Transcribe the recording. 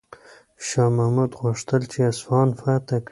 شاه محمود غوښتل چې اصفهان فتح کړي.